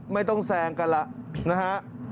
ไม่ต้องแซงกันล่ะนะฮะ